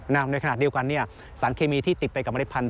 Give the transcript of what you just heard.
ในขณะเดียวกันสารเคมีที่ติดไปกับเมล็ดพันธ